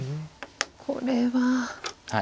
これは。